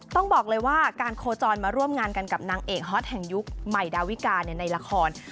ต้องบอกเลยว่าการโคจรมาร่วมงานกันกับนางเอกฮอตแห่งยุคใหม่ดาวิกาในละคร